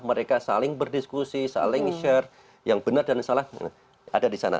mereka saling berdiskusi saling share yang benar dan salah ada di sana